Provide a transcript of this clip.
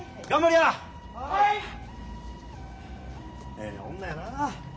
ええ女やなあ。